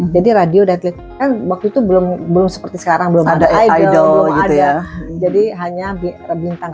jadi radio dan kan waktu itu belum belum seperti sekarang belum ada idol belum ada jadi hanya bintang